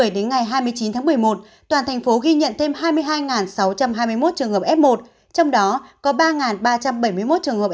đến ngày hai mươi chín tháng một mươi một toàn thành phố ghi nhận thêm hai mươi hai sáu trăm hai mươi một trường hợp f một trong đó có ba ba trăm bảy mươi một trường hợp